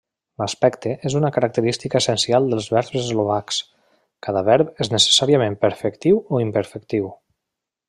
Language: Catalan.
L'aspecte és una característica essencial dels verbs eslovacs: cada verb és necessàriament perfectiu o imperfectiu.